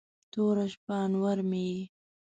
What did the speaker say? توره شپه، انور مې یې